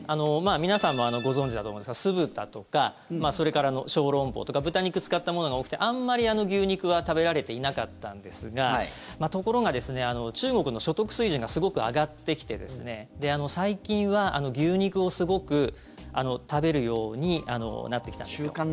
皆さんもご存じだと思いますが酢豚とか、それから小籠包とか豚肉を使ったものが多くてあんまり牛肉は食べられていなかったんですがところが、中国の所得水準がすごく上がってきて最近は牛肉をすごく食べるようになってきたんです。